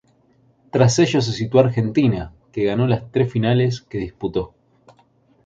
Tras ellos se situó Argentina que ganó las tres finales que disputó.